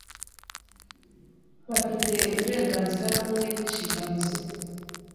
Bafite uburenganzira bumwe n inshingano zimwe